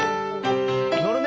乗るね！